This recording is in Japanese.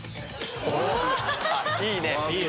いいね。